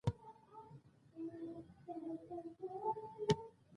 ستاسو پرواز په څو بجو ده